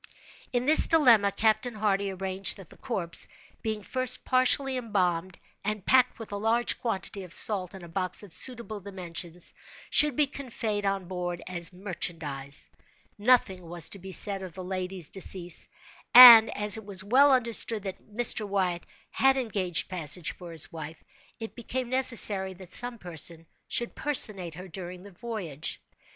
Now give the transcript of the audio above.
In this dilemma, Captain Hardy arranged that the corpse, being first partially embalmed, and packed, with a large quantity of salt, in a box of suitable dimensions, should be conveyed on board as merchandise. Nothing was to be said of the lady's decease; and, as it was well understood that Mr. Wyatt had engaged passage for his wife, it became necessary that some person should personate her during the voyage.